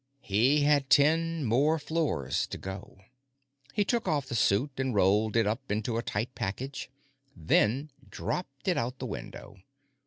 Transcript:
He had ten more floors to go. He took off the suit and rolled it up into a tight package, then dropped it out the window.